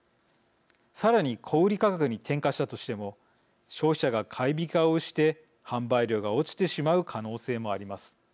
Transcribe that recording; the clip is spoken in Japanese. さらに、小売価格に転嫁したとしても消費者が買い控えをして販売量が落ちてしまう可能性もあります。